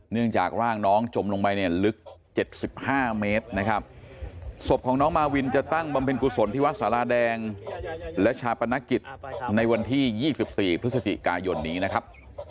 เนื่องจากร่างน้องจมลงไปเนี่ยลึก๗๕เมตรนะครับศพของน้องมาวินจะตั้งบำเพ็ญกุศลที่วัดสาราแดงและชาปนกิจในวันที่๒๔พฤศจิกายนนี้นะครับ